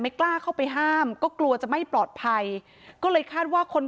กล้าเข้าไปห้ามก็กลัวจะไม่ปลอดภัยก็เลยคาดว่าคน